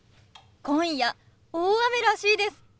今夜大雨らしいです。